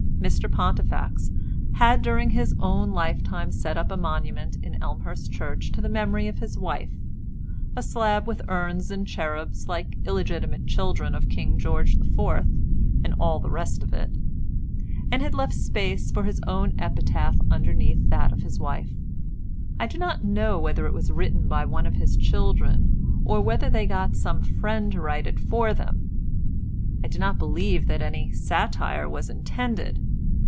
Mr Pontifex had during his own lifetime set up a monument in Elmhurst Church to the memory of his wife (a slab with urns and cherubs like illegitimate children of King George the Fourth, and all the rest of it), and had left space for his own epitaph underneath that of his wife. I do not know whether it was written by one of his children, or whether they got some friend to write it for them. I do not believe that any satire was intended.